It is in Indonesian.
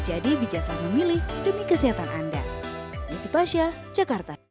jadi bijaklah memilih demi kesehatan anda